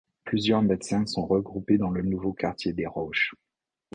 Plusieurs médecins sont regroupés dans le nouveau quartier des Roches.